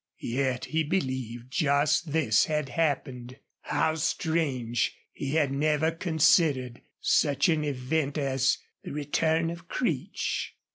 Yet he believed just this had happened. How strange he had never considered such an event as the return of Creech.